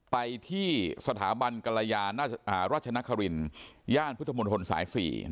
ไปที่สถาบันกรยาราชนครินย่านพุทธมนตรสาย๔